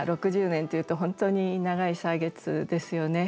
６０年というと、本当に長い歳月ですよね。